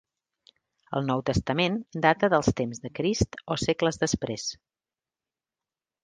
El Nou Testament data dels temps de Crist, o segles després.